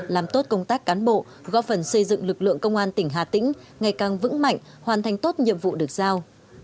làm tốt công tác cán bộ góp phần xây dựng lực lượng công an tỉnh hà tĩnh ngày càng vững mạnh hoàn thành tốt nhiệm vụ được giao